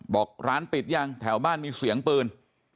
บอกร้านปิดยังแถวบ้านมีเสียงปืน